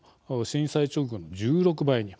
震災直後の１６倍に。